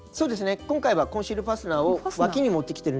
今回はコンシールファスナーをわきにもってきてるんですけども。